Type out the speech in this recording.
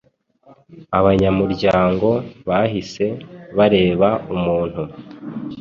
Abanyamuryango bahise bareba umuntu